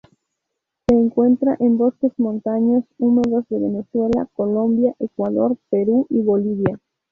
Se encuentra en bosques montanos húmedos de Venezuela, Colombia, Ecuador, Perú y Bolivia.